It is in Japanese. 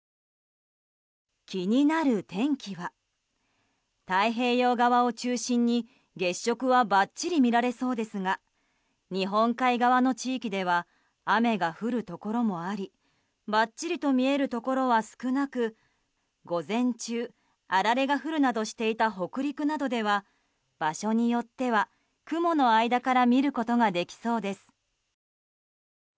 気になる天気は太平洋側を中心に月食はばっちり見られそうですが日本海側の地域では雨が降るところもありばっちりと見えるところは少なく午前中あられが降るなどしていた北陸などでは場所によっては、雲の間から見ることができそうです。